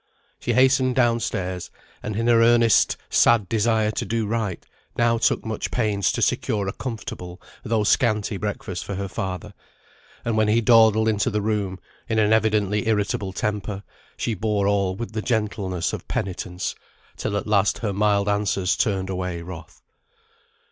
She hastened down stairs, and in her earnest sad desire to do right, now took much pains to secure a comfortable though scanty breakfast for her father; and when he dawdled into the room, in an evidently irritable temper, she bore all with the gentleness of penitence, till at last her mild answers turned away wrath.